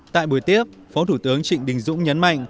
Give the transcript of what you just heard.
tại buổi tiếp phó thủ tướng trịnh đình dũng nhấn mạnh